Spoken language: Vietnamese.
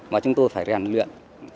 mà chúng tôi phải rèn luyện